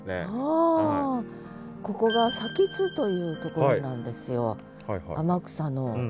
ここが津というところなんですよ天草の。